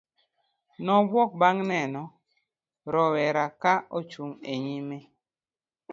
nobuok bang' neno roweraka ka ochung' e nyime